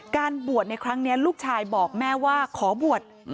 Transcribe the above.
การบวชในครั้งนี้ลูกชายบอกแม่ว่าขอบวช